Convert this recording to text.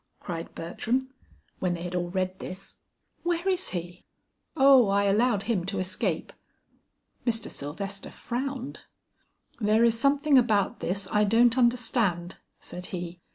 cried Bertram, when they had all read this. "Where is he?" "Oh, I allowed him to escape." Mr. Sylvester frowned. "There is something about this I don't understand," said he.